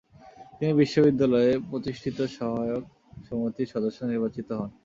তিনি বিশ্ববিদ্যালয়ে প্রতিষ্ঠিত সহায়ক সমিতির সদস্য নির্বাচিত হন।